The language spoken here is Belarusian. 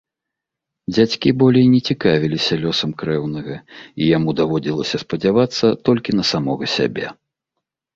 Дзядзькі болей не цікавіліся лёсам крэўнага, і яму даводзілася спадзявацца толькі на самога сябе.